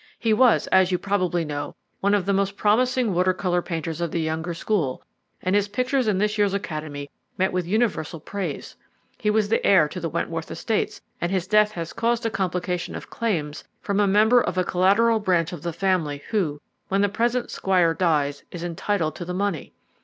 He was, as you probably know, one of the most promising water colour painters of the younger school, and his pictures in this year's Academy met with universal praise. He was the heir to the Wentworth estates, and his death has caused a complication of claims from a member of a collateral branch of the family, who, when the present squire dies, is entitled to the money.